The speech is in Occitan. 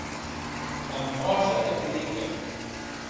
Damb fòrça retorica.